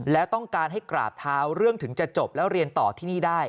แล้วต้องการให้กราบเท้าเรื่องถึงจะจบแล้วเรียนต่อที่นี่ได้